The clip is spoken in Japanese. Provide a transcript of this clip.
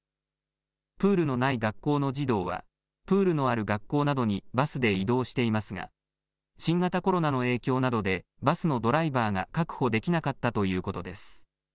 プールのない学校の児童はプールのある学校などにバスで移動していますが新型コロナの影響などでバスのドライバーが確保できなかったということです。